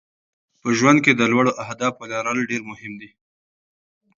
په ژوند کې د لوړو اهدافو لرل ډېر مهم دي.